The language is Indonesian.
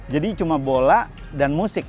jadi cuma bola dan musik